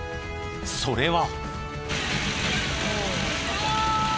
それは。